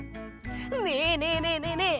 ねえねえねえねえねえ